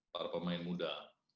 para pemain muda